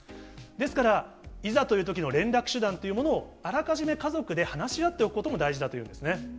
ですから、いざというときの連絡手段というものを、あらかじめ家族で話し合っておくことも大事だというんですね。